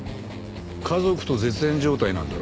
家族と絶縁状態なんだろ？